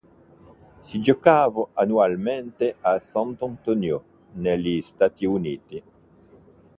Si giocava annualmente a San Antonio negli Stati Uniti.